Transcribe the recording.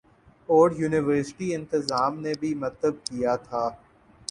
اری یونیورسٹی انتظام نے بھی متب کیا تھا